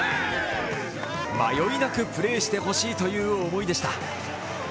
迷いなくプレーしてほしいという思いでした。